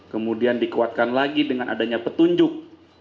kemudian dikuatkan lagi dengan adanya petunjuk